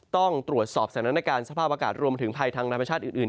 ต้องตรวจสอบสถานการณ์สภาพอากาศรวมถึงภัยทางธรรมชาติอื่น